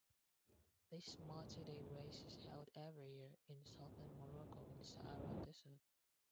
This multiday race is held every year in southern Morocco, in the Sahara Desert.